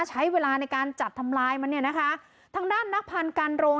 ใช้เวลาในการจัดทำลายมันเนี่ยนะคะทางด้านนักพันธ์การโรง